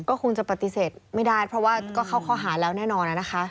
ก็คงจะปฏิเสธไม่ได้เพราะว่าก็เข้าข้อหาแล้วแน่นอนนะคะ